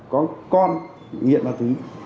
có con nghiện vào tính